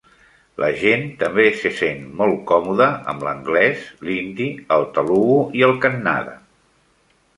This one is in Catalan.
La gent també se sent molt còmoda amb l'anglès, l'hindi, el telugu i el kannada.